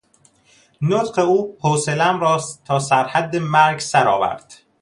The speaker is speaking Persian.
نطق او حوصلهام را تا سر حد مرگ سرآورد!